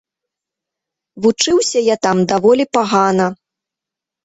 Вучыўся я там даволі пагана.